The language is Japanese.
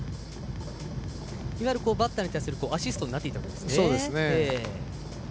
いわゆるバッターに対するアシストになっていったわけですね。